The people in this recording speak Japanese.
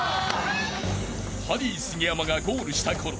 ［ハリー杉山がゴールしたころ